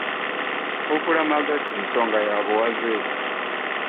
Okulamaga sisonga y'abuwaze